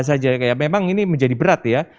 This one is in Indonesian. saja kayak memang ini menjadi berat ya